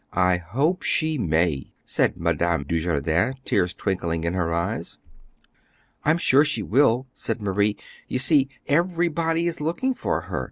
"I hope she may," said Madame Dujardin, tears twinkling in her eyes. "I'm sure she will," said Marie. "You see everybody is looking for her.